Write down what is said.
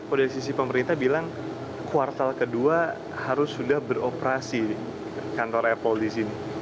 oh dari sisi pemerintah bilang kuartal kedua harus sudah beroperasi kantor apple di sini